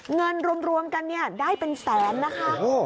เงินรวมกันเนี่ยได้เป็นแสนนะคะ